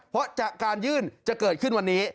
เพราะการยื่นจะเกิดขึ้นวันนี้